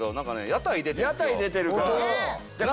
屋台出てるから。